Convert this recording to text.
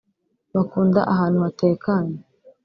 bakunda ahantu hatekanye